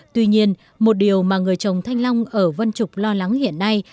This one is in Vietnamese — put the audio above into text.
tuy nhiên một điều mà người trồng thanh long ở vân trục lo lắng hiện nay